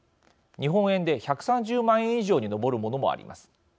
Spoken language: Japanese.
日本円で１３０万円以上に上るものもあります。